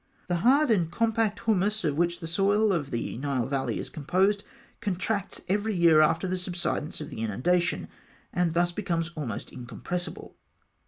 The hard and compact humus of which the soil of the Nile valley is composed, contracts every year after the subsidence of the inundation, and thus becomes almost incompressible.